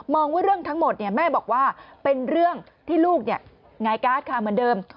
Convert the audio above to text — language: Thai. ว่าเรื่องทั้งหมดแม่บอกว่าเป็นเรื่องที่ลูกหงายการ์ดค่ะเหมือนเดิม